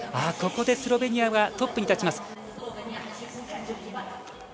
ここでスロベニアはトップです。